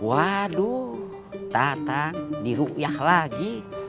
waduh tatang dirukyah lagi